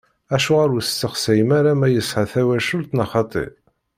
Acuɣer ur testeqsayem ara ma yesɛa tawacult neɣ xaṭi?